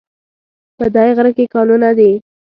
په دی غره کې کانونه دي